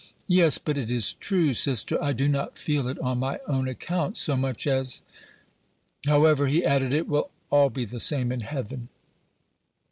"Yes, but it is true, sister: I do not feel it on my own account so much as However," he added, "it will all be the same in heaven."